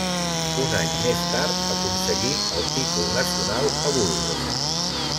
Un any més tard aconseguí el títol nacional a Burgos.